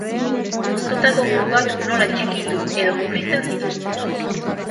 Moztutako buruak nola txikitu edo murrizten zituzten.